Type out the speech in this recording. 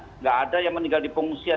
tidak ada yang meninggal di pengungsian